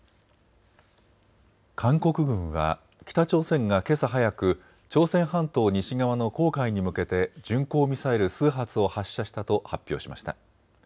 韓国軍は北朝鮮がけさ早く朝鮮半島西側の黄海に向けて巡航ミサイル数発を発射したと発表しました。